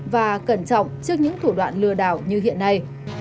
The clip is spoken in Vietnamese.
và cẩn trọng trước những thủ đoạn lừa đảo như hiện nay